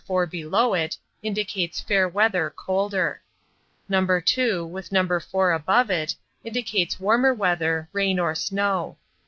4 below it, indicates fair weather, colder. No. 2, with No. 4 above it, indicates warmer weather, rain or snow.